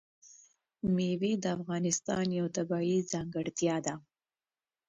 مېوې د افغانستان یوه طبیعي ځانګړتیا ده.